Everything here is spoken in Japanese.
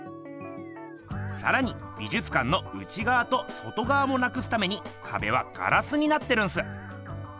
さらに美じゅつかんの内がわと外がわもなくすためにかべはガラスになってるんす。